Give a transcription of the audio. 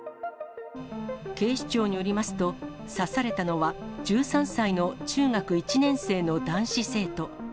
警視庁によりますと、刺されたのは１３歳の中学１年生の男子生徒。